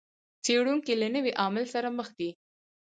څېړونکي له نوي عامل سره مخ دي.